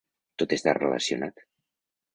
Tot està relacionat.